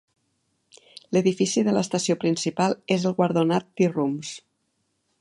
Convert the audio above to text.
L'edifici de l'estació principal és el guardonat Tea Rooms.